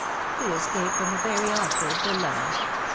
" To escape from a very awkward dilemma.